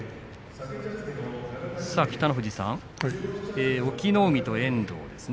北の富士さん、隠岐の海と遠藤ですね